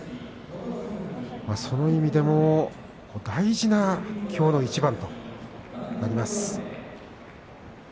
その意味でも大事なきょうの一番となります。